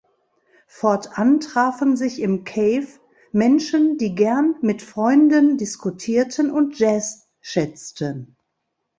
Fortan trafen sich im "Cave" Menschen, die gern mit Freunden diskutierten und Jazz schätzten.